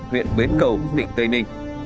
huyện bến cầu định tây ninh